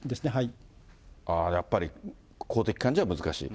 やっぱり、公的機関じゃ難しい。